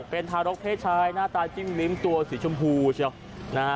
เป็นทารกเพศชายหน้าตาจิ้มลิ้มตัวสีชมพูเชียวนะฮะ